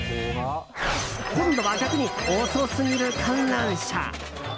今度は、逆に遅すぎる観覧車。